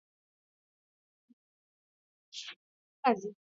The porter was servant as well as host.